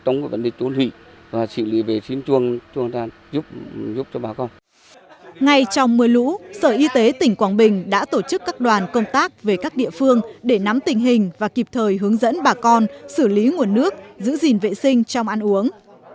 ngay trong mưa lũ sở y tế tỉnh quảng bình đã tổ chức các đoàn công tác về các địa phương để nắm tình hình và kịp thời hướng dẫn bà con xử lý nguồn nước giữ gìn vệ sinh trong ăn uống